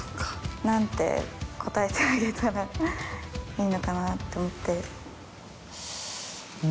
何て答えてあげたらいいのかなって思って。